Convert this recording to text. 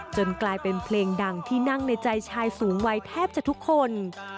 กลายเป็นเพลงดังที่นั่งในใจชายสูงวัยแทบจะทุกคน